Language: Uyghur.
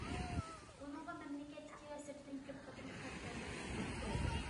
ئۇنىڭغا مەملىكەت ئىچى ۋە سىرتىدىن كۆپ قېتىم خەت ۋە تەكلىپنامە كەلدى.